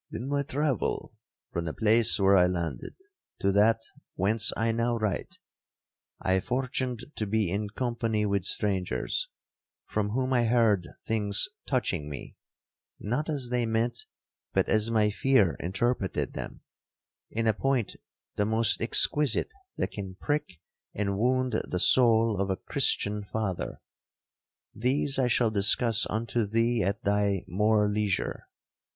'In my travel from the place where I landed, to that whence I now write, I fortuned to be in company with strangers, from whom I heard things touching me (not as they meant, but as my fear interpreted them) in a point the most exquisite that can prick and wound the soul of a Christian father. These I shall discuss unto thee at thy more leisure.